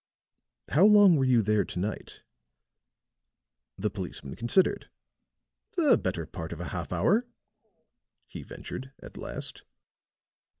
"How long were you there to night?" The policeman considered. "The best part of a half hour," he ventured, at last.